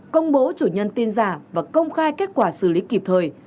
công bố chủ nhân tin giả và công khai kết quả xử lý kịp thời